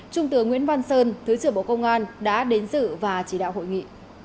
trung tướng nguyễn văn sơn thứ trưởng bộ công an đã đến dự và chỉ đạo hội nghị